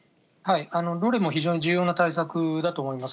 どれも非常に重要な対策だと思います。